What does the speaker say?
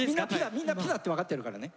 みんなピザって分かってるからね。